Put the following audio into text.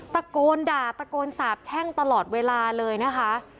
ตะโกนด่าตะโกนสาบแช่งตลอดเวลาเลยนะคะ